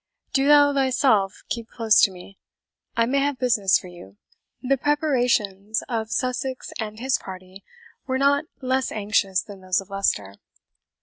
Do thou thyself keep close to me, I may have business for you." The preparations of Sussex and his party were not less anxious than those of Leicester.